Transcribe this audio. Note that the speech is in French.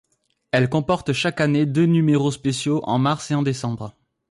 Elle comporte chaque année deux numéros spéciaux en mars et en décembre.